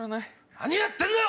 何やってんだよ！